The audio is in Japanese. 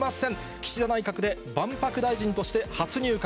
岸田内閣で万博大臣として初入閣。